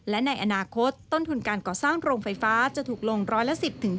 และในอนาคตต้นทุนการก่อสร้างโรงไฟฟ้าจะถูกลงร้อยละ๑๐๕